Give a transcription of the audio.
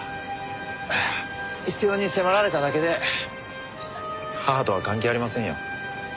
必要に迫られただけで母とは関係ありませんよ。